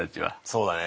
そうだね。